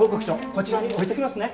こちらに置いときますね。